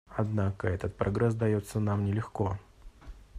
Однако этот прогресс дается нам нелегко.